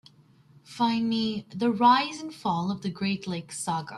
Find me The Rise and Fall of the Great Lakes saga.